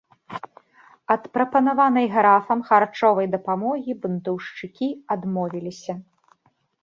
Ад прапанаванай графам харчовай дапамогі бунтаўшчыкі адмовіліся.